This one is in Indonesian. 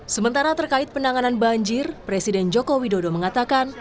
sementara terkait penanganan banjir presiden joko widodo mengatakan